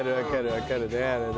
わかるねあれね。